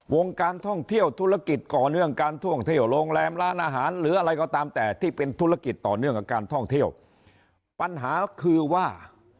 วงการท่องเที่ยวธุรกิจต่อเนื่องการท่องเที่ยวโรงแรมร้านอาหารหรืออะไรก็ตามแต่ที่เป็นธุรกิจต่อเนื่องกับการท่องเที่ยวปัญหาคือว่า